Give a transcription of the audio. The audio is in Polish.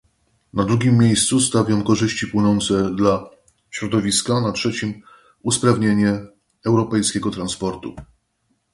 Na drugim miejscu stawiam korzyści płynące dla środowiska, na trzecim usprawnienie europejskiego transportu